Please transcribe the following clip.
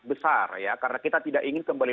besar ya karena kita tidak ingin kembali